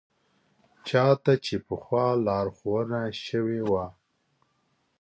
چا ته چې پخوا لارښوونه شوې وه.